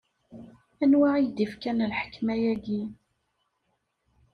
Anwa i k-d-ifkan lḥekma-agi?